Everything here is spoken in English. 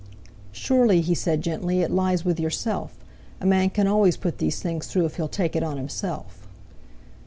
"Surely," he said gently, "it lies with yourself. A man can always put these things through if he'll take it on himself."